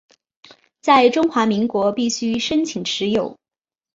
在中华民国必须申请持有。